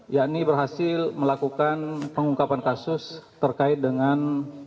yakni berhasil melakukan pengungkapan kasus terkait dengan